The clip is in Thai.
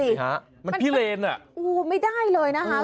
นั่นเหรอสิมันพิเลนอ่ะไม่ได้เลยนะคะ